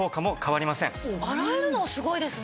洗えるのすごいですね！